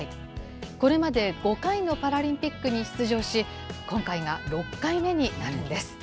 これまで５回のパラリンピックに出場し、今回が６回目になるのです。